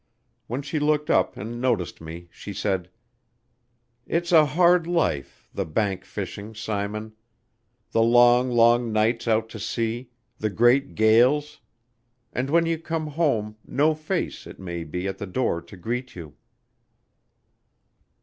When she looked up and noticed me, she said: "It's a hard life, the bank fishing, Simon. The long, long nights out to sea, the great gales; and when you come home, no face, it may be, at the door to greet you."